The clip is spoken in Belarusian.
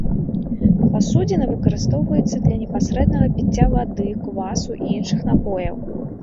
Пасудзіна выкарыстоўваецца для непасрэднага піцця вады, квасу і іншых напояў.